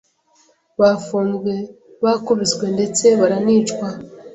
bafunzwe, bakubiswe ndetse baranicwa